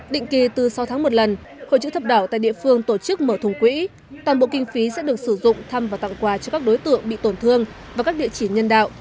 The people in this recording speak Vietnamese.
định kỳ từ sáu tháng một lần hội chữ thập đỏ tại địa phương tổ chức mở thùng quỹ toàn bộ kinh phí sẽ được sử dụng thăm và tặng quà cho các đối tượng bị tổn thương và các địa chỉ nhân đạo